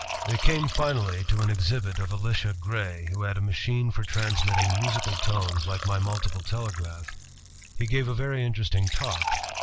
They came finally to an exhibit of Elisha Gray, who had a machine for transmitting musical tones like my multiple telegraph. He gave a very interesting talk.